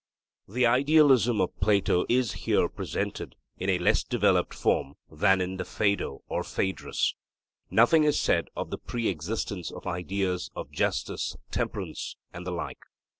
The idealism of Plato is here presented in a less developed form than in the Phaedo and Phaedrus. Nothing is said of the pre existence of ideas of justice, temperance, and the like.